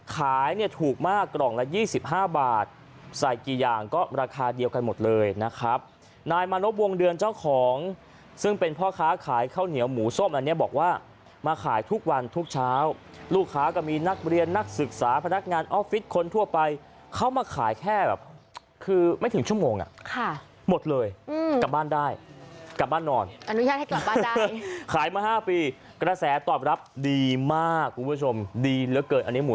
ขายเนี้ยถูกมากกล่องละยี่สิบห้าบาทใส่กี่อย่างก็ราคาเดียวกันหมดเลยนะครับนายมณบวงเดือนเจ้าของซึ่งเป็นพ่อค้าขายข้าวเหนียวหมูส้มอันเนี้ยบอกว่ามาขายทุกวันทุกเช้าลูกค้าก็มีนักเรียนนักศึกษาพนักงานออฟฟิศคนทั่วไปเขามาขายแค่แบบคือไม่ถึงชั่วโมงอะค่ะหมดเลยอืมกลับบ้านได้กลับ